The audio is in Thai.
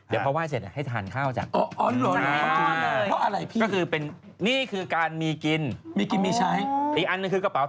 นะครับและที่สำคัญนะครับเมาะหุงข้าว